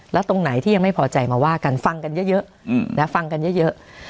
และตรงไหนที่ยังไม่พอใจว่ากันฟังกันเยอะ